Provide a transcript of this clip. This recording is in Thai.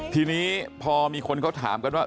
ทีนี้พอมีคนเขาถามกันว่า